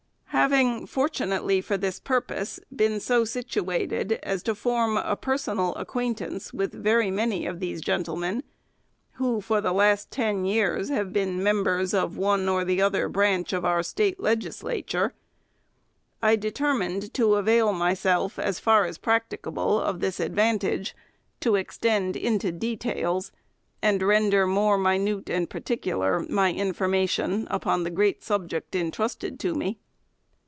Having, fortunately for this purpose, been so situated as to form a personal acquaintance with very many of those gentlemen, who, for the last ten years, have been members of one or the other branch of our State Legisla ture, I determined to avail myself, as far as practicable, of this advantage, to extend into details, and render more minute and particular, my information upon the great subject intrusted to me.